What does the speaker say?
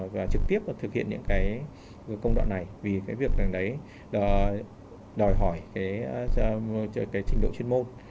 và trực tiếp thực hiện những cái công đoạn này vì cái việc đấy đòi hỏi cái trình độ chuyên môn